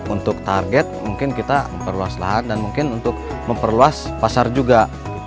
untuk target mungkin kita memperluas lahan dan mungkin untuk memperluas pasar juga